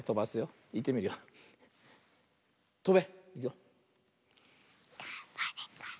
とべ！